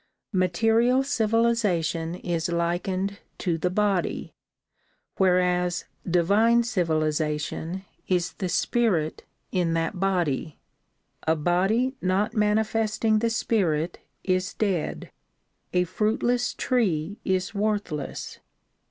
Material civilization is likened to the body whereas divine civilization is the spirit in that body. A body not manifesting the spirit is dead ; a fruitless tree is worth less.